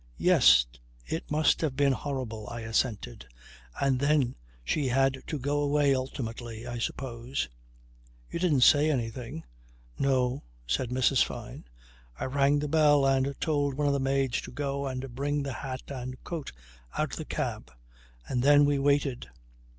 "Yes. It must have been horrible," I assented. "And then she had to go away ultimately I suppose. You didn't say anything?" "No," said Mrs. Fyne. "I rang the bell and told one of the maids to go and bring the hat and coat out of the cab. And then we waited."